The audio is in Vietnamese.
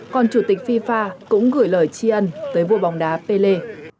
còn chủ tịch fifa cũng gửi lời chia ân tới vua bóng đá pele